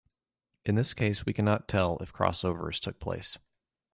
In this case we cannot tell if crossovers took place.